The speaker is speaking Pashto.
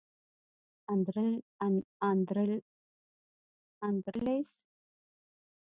اندرلس سلسیوس په ویاړ په دې نوم یاد شوی دی.